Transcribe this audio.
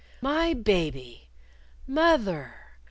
"My baby!" "_Moth er!